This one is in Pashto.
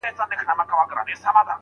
موسیقي اورېدل یو ذهني تمرین دی.